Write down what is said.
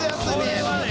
これはね